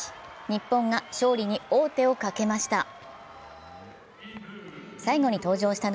日本が勝利に王手をかけました。